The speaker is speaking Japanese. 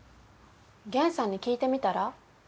ゲンさんに聞いてみたら？